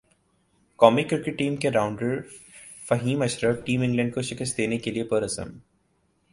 قومی cricket team کے rounder Faheem Ashraf team England کو شکست دینے کے لیئے پر عزم